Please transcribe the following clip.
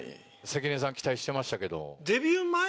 関根さん期待してましたけど。